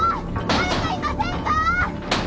誰かいませんか！